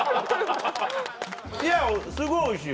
いやすごいおいしい。